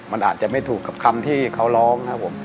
มันอาจจะไม่ถูกกับคำที่เขาร้องครับผม